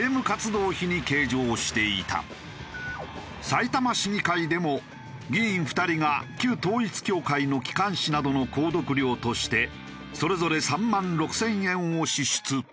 さいたま市議会でも議員２人が旧統一教会の機関紙などの購読料としてそれぞれ３万６０００円を支出。